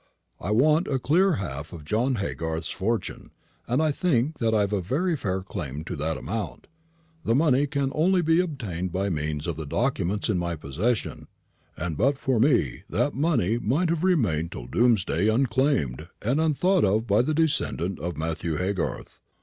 I want a clear half of John Haygarth's fortune, and I think that I've a very fair claim to that amount. The money can only be obtained by means of the documents in my possession, and but for me that money might have remained till doomsday unclaimed and unthought of by the descendant of Matthew Haygarth.